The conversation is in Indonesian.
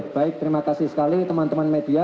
baik terima kasih sekali teman teman media